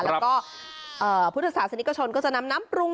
แล้วก็พุทธศาสนิกชนก็จะนำน้ำปรุง